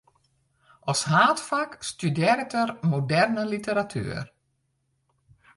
As haadfak studearret er moderne literatuer.